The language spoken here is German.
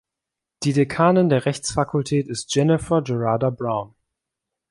Die Dekanin der Rechtsfakultät ist Jennifer Gerarda Brown.